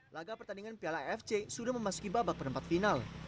laga pertandingan piala fc sudah memasuki babak perempat final